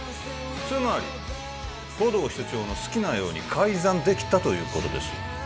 つまり護道室長の好きなように改ざんできたということです